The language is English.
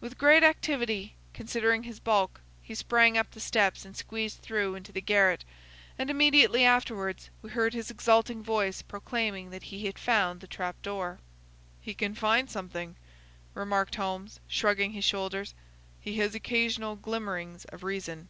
With great activity, considering his bulk, he sprang up the steps and squeezed through into the garret, and immediately afterwards we heard his exulting voice proclaiming that he had found the trap door. "He can find something," remarked Holmes, shrugging his shoulders. "He has occasional glimmerings of reason.